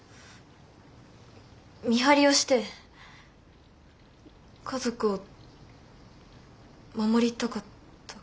見張りをして家族を守りたかった。